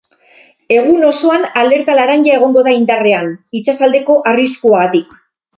Egun osoan alerta laranja egongo da indarrean, itsasaldeko arriskuagatik.